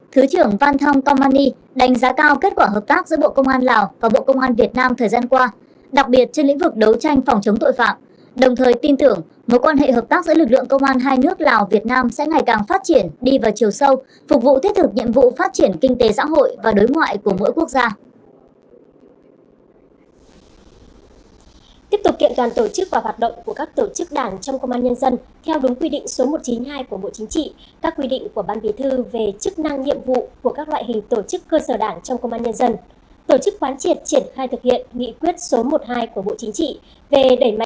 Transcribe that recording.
thứ trưởng văn thông tomani đánh giá cao kết quả hợp tác giữa bộ công an việt nam thời gian qua đặc biệt trên lĩnh vực đấu tranh phòng chống tội phạm đồng thời tin tưởng mối quan hệ hợp tác giữa bộ công an việt nam thời gian qua đặc biệt trên lĩnh vực đấu tranh phòng chống tội phạm đối ngoại của mỗi quốc gia